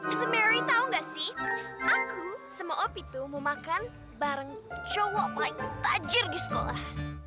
itu merry tau nggak sih aku sama opi tuh mau makan bareng cowok paling tajir di sekolah